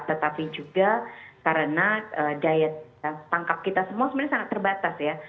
tetapi juga karena daya tangkap kita semua sebenarnya sangat terbatas ya